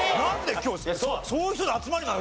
今日そういう人の集まりなの？